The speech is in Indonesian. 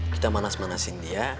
kita manas manasin dia